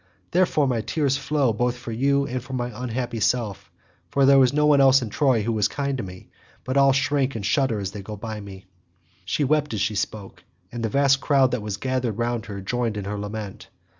Therefore my tears flow both for you and for my unhappy self, for there is no one else in Troy who is kind to me, but all shrink and shudder as they go by me." She wept as she spoke and the vast crowd that was gathered round her joined in her lament.